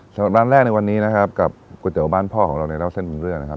สำหรับร้านแรกในวันนี้นะครับกับก๋วยเตี๋ยวบ้านพ่อของเราในเล่าเส้นเป็นเรื่องนะครับ